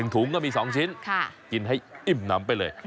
ถุงก็มี๒ชิ้นกินให้อิ่มน้ำไปเลย